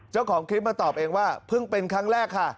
เจ้าของคลิปมาตอบเองว่าเพิ่งเป็นครั้งแรกค่ะ